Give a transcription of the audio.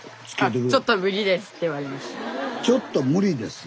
「ちょっと無理です」？